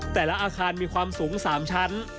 แต่ละอาคารมีความสูง๓ชั้น